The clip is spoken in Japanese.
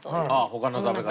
他の食べ方？